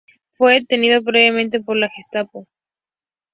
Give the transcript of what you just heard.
Fue detenido brevemente por la Gestapo.